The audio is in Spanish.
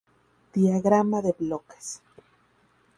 Diagrama de bloques